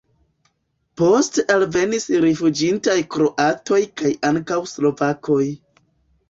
Poste alvenis rifuĝintaj kroatoj kaj ankaŭ slovakoj.